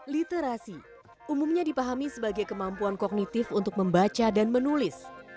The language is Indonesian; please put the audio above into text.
literasi umumnya dipahami sebagai kemampuan kognitif untuk membaca dan menulis